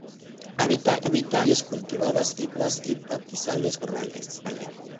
Habita en las áreas cultivadas y pastizales con matorrales.